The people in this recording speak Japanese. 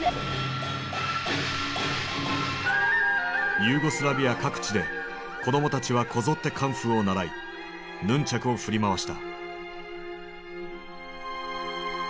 ユーゴスラビア各地で子供たちはこぞってカンフーを習いヌンチャクを振り回した。